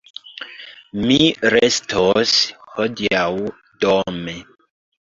Mi restos hodiaŭ dome.